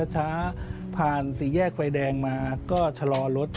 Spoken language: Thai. ผ่านสี่แยกไฟแดงมาก็ชะลอรถ